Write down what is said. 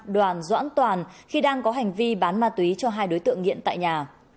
đoàn doãn toàn khi đang có hành vi bán ma túy cho hai đối tượng nghiện tại nhà